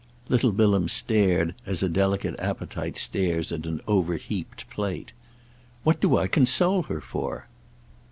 Little Bilham stared as a delicate appetite stares at an overheaped plate. "What do I console her for?"